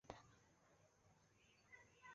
智力在狭窄的定义中是以智力测验来衡量。